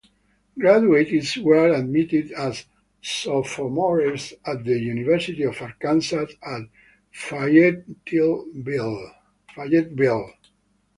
Graduates were admitted as sophomores at the University of Arkansas at Fayetteville.